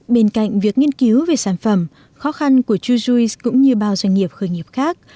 bên cạnh việc nghiên cứu về sản phẩm khó khăn của chujuice cũng như bao doanh nghiệp khởi nghiệp khác